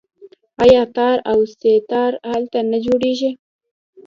آیا تار او سه تار هلته نه جوړیږي؟